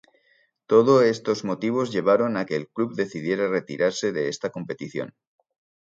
Todo estos motivos llevaron a que el club decidiera retirarse de esta competición.